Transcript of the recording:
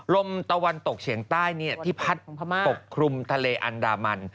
ลมตะวันตกเฉียงใต้ที่พัดปกคลุมทะเลอันดามัน